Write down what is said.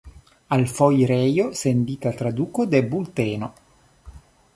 Al foirejo sendita traduko de bulteno.